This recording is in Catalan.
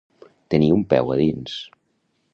Tenir un peu a dins.